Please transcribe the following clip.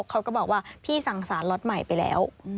เขาก็บอกว่าพี่สั่งสารล็อตใหม่ไปแล้ว